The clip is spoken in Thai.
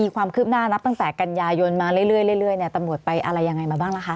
ความคืบหน้านับตั้งแต่กันยายนมาเรื่อยตำรวจไปอะไรยังไงมาบ้างล่ะคะ